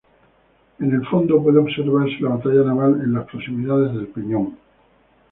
En el fondo puede observarse la batalla naval en las proximidades del Peñón.